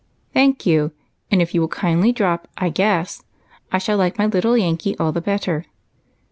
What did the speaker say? ," Thank you ; and if you will kindly drojD ' I guessj I shall like my little Yankee all the better.